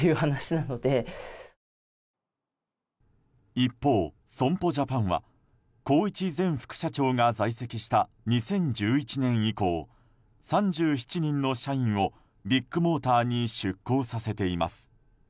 一方、損保ジャパンは宏一前副社長が在籍した２０１１年以降、３７人の社員をビッグモーターに出向させています。